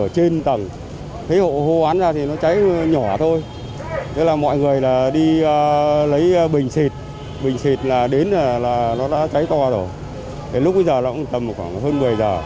cháy nhỏ thôi mọi người đi lấy bình xịt bình xịt đến là nó đã cháy to rồi lúc bây giờ nó cũng tầm khoảng hơn một mươi giờ